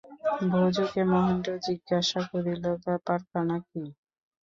ভজুকে মহেন্দ্র জিজ্ঞাসা করিল, ব্যাপারখানা কী!